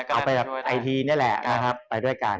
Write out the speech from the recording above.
เอาไปบังคันดังไทยไปด้วยกัน